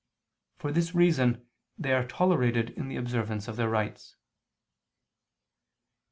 For this reason they are tolerated in the observance of their rites.